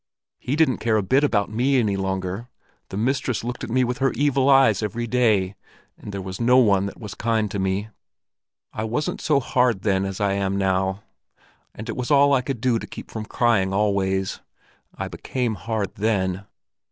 He didn't care a bit about me any longer, the mistress looked at me with her evil eyes every day, and there was no one that was kind to me. I wasn't so hard then as I am now, and it was all I could do to keep from crying always. I became hard then.